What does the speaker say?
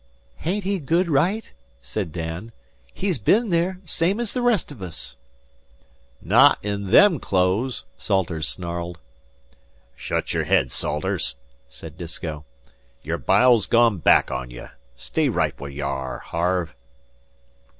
"Hain't he good right?" said Dan. "He's bin there, same as the rest of us." "Not in them clothes," Salters snarled. "Shut your head, Salters," said Disko. "Your bile's gone back on you. Stay right where ye are, Harve."